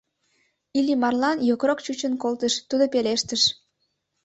Иллимарлан йокрок чучын колтыш, тудо пелештыш: